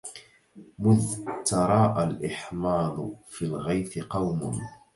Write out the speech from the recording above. مذ تراءى الإحماض في الغيث قوم